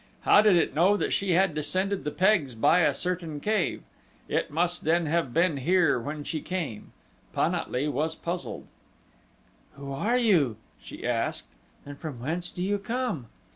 How did it know that she had descended the pegs by a certain cave? It must, then, have been here when she came. Pan at lee was puzzled. "Who are you?" she asked, "and from whence do you come?"